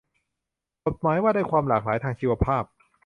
กฎหมายว่าด้วยความหลากหลายทางชีวภาพ